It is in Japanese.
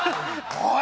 おい！